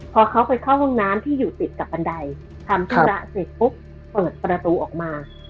พอเขาไปเข้าห้องน้ำที่อยู่ติดกับบันไดทำธุระเสร็จปุ๊บเปิดประตูออกมา